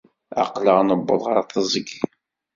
Aqla-ɣ newweḍ ɣer tiẓgi.